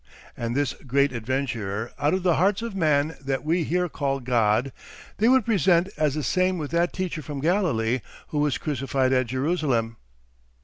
* And this great adventurer out of the hearts of man that we here call God, they would present as the same with that teacher from Galilee who was crucified at Jerusalem.